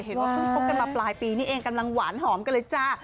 เพิ่งคบกันมาปลายปีนี่เองกำลังหวานหอมกันเลยจ้า